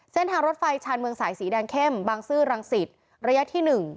เส้นทางรถไฟชาญเมืองสายสีแดงเข้มบางซื่อรังสิตระยะที่๑